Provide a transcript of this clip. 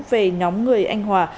về nhóm người anh hòa